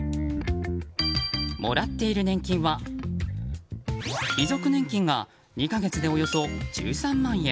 もらっている年金は遺族年金が２か月でおよそ１３万円。